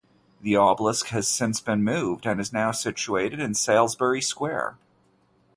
The obelisk has since been moved and is now situated in Salisbury Square.